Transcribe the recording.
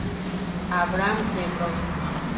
Abram de Bron".